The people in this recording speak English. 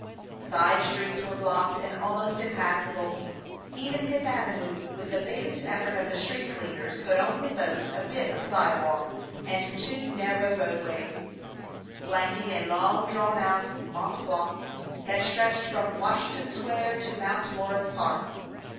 Side streets were blocked and almost impas sable. Even Fifth Avenue, with the biggest effort of the street cleaners, could only boast a bit of sidewalk and two narrow roadways, flanking a long drawn out Mont Blanc that stretched from Washington Square to Mount Morris Park.